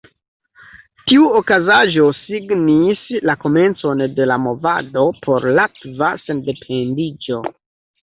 Tiu okazaĵo signis la komencon de la movado por latva sendependiĝo.